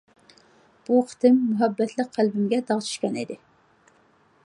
بۇ قېتىم مۇھەببەتلىك قەلبىمگە داغ چۈشكەنىدى.